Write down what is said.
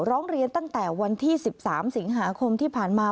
ร้องเรียนตั้งแต่วันที่๑๓สิงหาคมที่ผ่านมา